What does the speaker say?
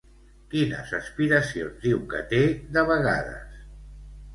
Quines aspiracions diu que té de vegades?